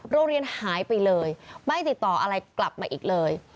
โรงเรียนหายไปเลยไม่ติดต่ออะไรกลับมาอีกเลย